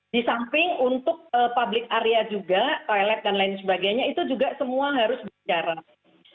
di samping untuk public area juga toilet dan lain sebagainya itu juga semua harus berjarak